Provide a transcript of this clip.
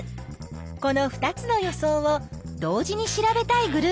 この２つの予想を同時に調べたいグループがあったよ。